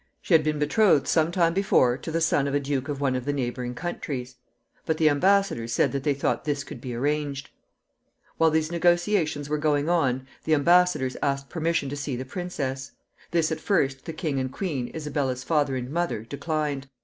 She had been betrothed some time before to the son of a duke of one of the neighboring countries. But the embassadors said that they thought this could be arranged. While these negotiations were going on, the embassadors asked permission to see the princess. This at first the king and queen, Isabella's father and mother, declined.